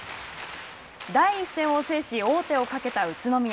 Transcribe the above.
第１戦を制し王手をかけた宇都宮。